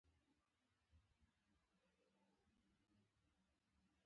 ميندې دې ماشومانو ته خپلې شېدې هرومرو ورکوي